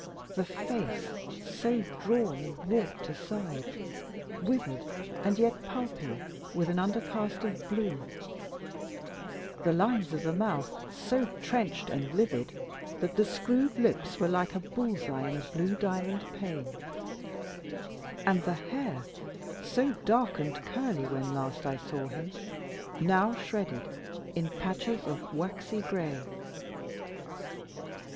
The face so drawn and warped aside, withered and yet pulpy, with an undercast of blue; the lines of the mouth so trenched and livid, that the screwed lips were like a bull's eye in a blue diamond pane; and the hair, so dark and curly when last I saw him, now shredded in patches of waxy gray.